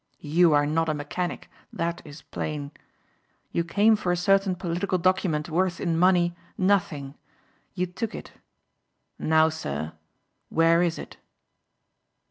You are not a mechanic; that is plain. You came for a certain political document worth in money nothing. You took it. Now, sir, where is it?"